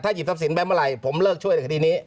หยิบทรัพย์สินไปเมื่อไหร่ผมเลิกช่วยในคดีนี้